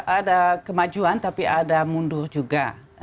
ada kemajuan tapi ada mundur juga